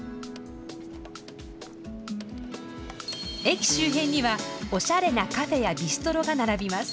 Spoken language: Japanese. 駅周辺には、おしゃれなカフェやビストロが並びます。